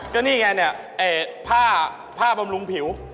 ก็นี่ไงเนี่ยผ้าบำรุงผิว